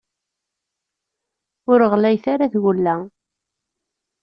Ur ɣlayet ara tgella.